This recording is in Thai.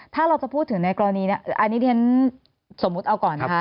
ถ้าเราจะพูดถึงในกรณีนี้อันนี้เรียนสมมุติเอาก่อนนะคะ